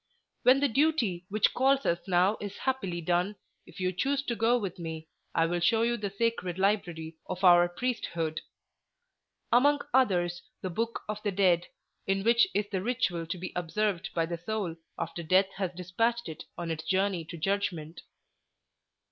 When the duty which calls us now is happily done, if you choose to go with me, I will show you the sacred library of our priesthood; among others, the Book of the Dead, in which is the ritual to be observed by the soul after Death has despatched it on its journey to judgment.